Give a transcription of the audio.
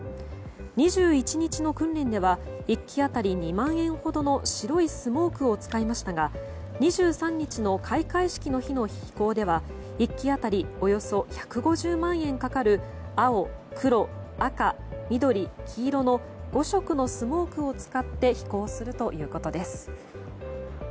２１日の訓練では１機当たり２万円ほどの白いスモークを使いましたが２３日の開会式の日の飛行では１機当たりおよそ１５０万円かかる青、黒、赤、緑、黄色の５色のスモークを使って飛行するということです。